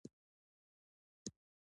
ګټه اخیستنه کله پیلیږي؟